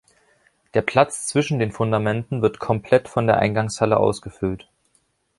Der Platz zwischen den Fundamenten wird komplett von der Eingangshalle ausgefüllt.